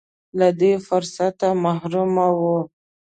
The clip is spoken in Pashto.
له دې فرصته محروم و.